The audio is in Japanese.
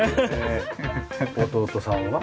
弟さんは？